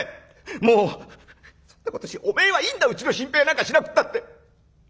もうそんなことお前はいいんだうちの心配なんかしなくったって。